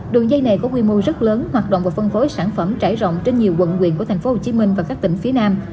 đường dây này có quy mô rất lớn hoạt động và phân phối sản phẩm trải rộng trên nhiều quận quyện của tp hcm và các tỉnh phía nam